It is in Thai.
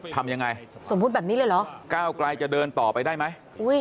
ทำยังไงสมมุติแบบนี้เลยเหรอก้าวไกลจะเดินต่อไปได้ไหม